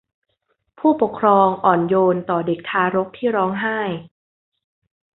ผู้ปกครองอ่อนโยนต่อเด็กทารกที่ร้องไห้